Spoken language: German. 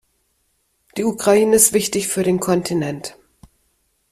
Die Ukraine ist wichtig für den Kontinent.